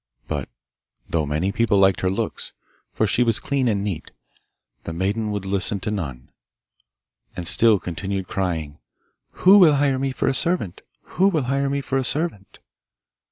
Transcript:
But, though many people liked her looks, for she was clean and neat, the maiden would listen to none, and still continued crying, 'Who will hire me for a servant? Who will hire me for a servant?